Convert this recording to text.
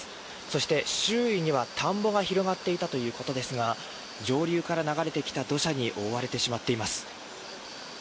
そして周囲には田んぼが広がっていたということですが上流から流れてきた土砂に覆われてしまっています。